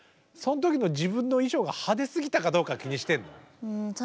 その時の自分の衣装が派手すぎたかどうか気にしてんの？